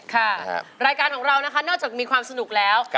ค่ะรายการของเรานะคะนอกจากมีความสนุกแล้ว